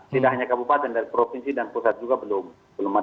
tidak hanya kabupaten dari provinsi dan pusat juga belum ada